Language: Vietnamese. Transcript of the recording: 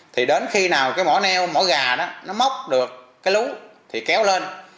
thì đến khi nào cái mỏ neo mỏ gà nó móc được cái lú thì kéo lên